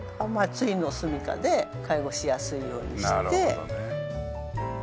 終のすみかで介護しやすいようにして。